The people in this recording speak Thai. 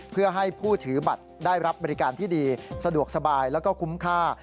เพื่อให้ผู้ถือบัตรได้รับบริการที่ดีสะดวกสบายแล้วก็คุ้มค่า